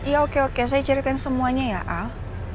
ya oke oke saya ceritain semuanya ya al